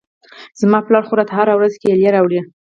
زما پلار خو راته هره ورځ کېلې راوړي.